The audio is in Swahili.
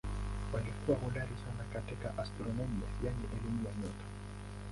Walikuwa hodari sana katika astronomia yaani elimu ya nyota.